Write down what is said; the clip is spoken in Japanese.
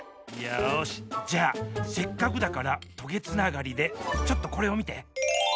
よしじゃあせっかくだからトゲつながりでちょっとこれをみて。